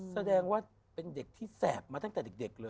แสดงว่าเป็นเด็กที่แสบมาตั้งแต่เด็กเลย